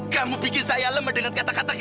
kamu bikin saya lemah dengan kata kata kamu